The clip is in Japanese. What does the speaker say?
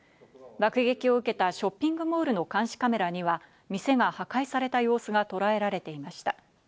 爆撃を受けたショッピングモールの監視カメラには店が破壊された様子がとらえられていました。